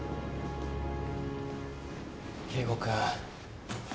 圭吾君。